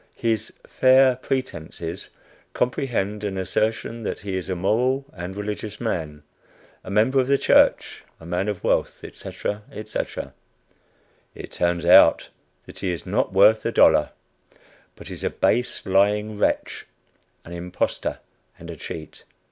His "fair pretences" comprehend an assertion that he is a moral and religious man, a member of the church, a man of wealth, etc., etc. It turns out that he is not worth a dollar, but is a base, lying wretch, an impostor and a cheat.